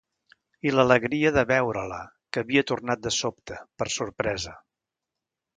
I l'alegria de veure-la, que havia tornat de sobte, per sorpresa!